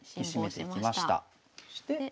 そして。